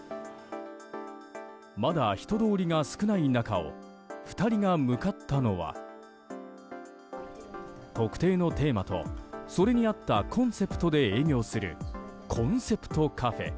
まだ人通りが少ない中を２人が向かったのは特定のテーマとそれに合ったコンセプトで営業するコンセプトカフェ。